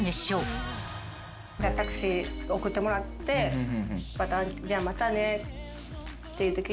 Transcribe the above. タクシー送ってもらってじゃあまたねっていうときに。